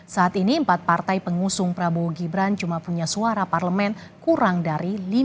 saat ini empat partai pengusung prabowo gibran cuma punya suara parlemen kurang dari lima puluh